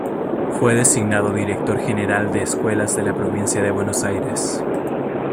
Fue designado director general de escuelas de la provincia de Buenos Aires.